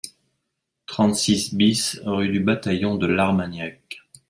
trente-six BIS rue du Bataillon de l'Armagnac